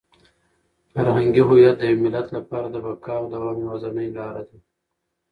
فرهنګي هویت د یو ملت لپاره د بقا او د دوام یوازینۍ لاره ده.